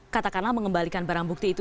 katakanlah mengembalikan barang bukti itu